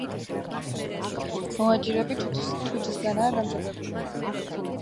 მოაჯირები თუჯისგანაა დამზადებული.